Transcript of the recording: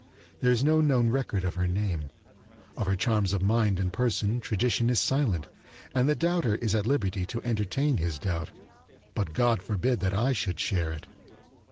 There is no known record of her name; of her charms of mind and person tradition is silent and the doubter is at liberty to entertain his doubt; but God forbid that I should share it!